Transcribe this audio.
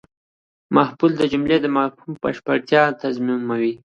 مفعول د جملې د مفهوم بشپړتیا تضمینوي.